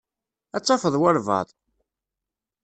Ad tafeḍ walebɛaḍ.